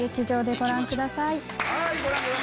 ご覧ください！